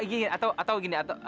oh gini atau gini